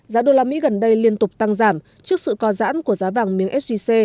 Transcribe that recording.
giá đô la mỹ gần đây liên tục tăng giảm trước sự co giãn của giá vàng miếng sgc